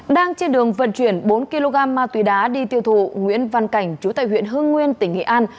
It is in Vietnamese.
đang trên đường vận chuyển bốn kg ma túy đá đi tiêu thụ nguyễn văn cảnh chú tại huyện hưng nguyên tỉnh nghệ an